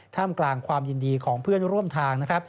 ท่ามกลางความยินดีของเพื่อนร่วมทางนะครับ